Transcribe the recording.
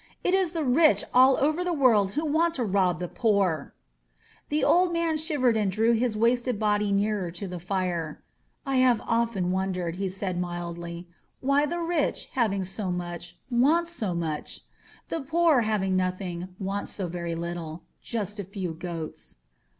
It is the rich all over the world who want to rob the poor/' The old man shivered and drew his wasted body nearer to the fire. I have often wondered,'' said he mildly, *Vhy the rich, having so much, want so much. The poor, who have nothing, want so very little. Just a few goats.